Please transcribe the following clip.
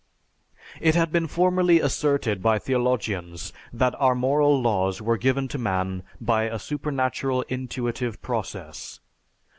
It had been formerly asserted by theologians that our moral laws were given to man by a supernatural intuitive process.